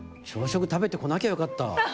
朝食食べてこなきゃよかった。